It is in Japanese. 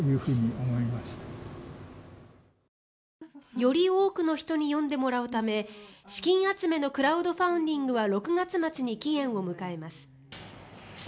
より多くの人に読んでもらうため資金集めのクラウドファンディングは６月末に期限を迎えます。